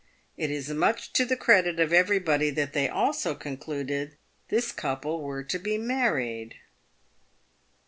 It is much to the credit of everybody that they also concluded this couple were to be married.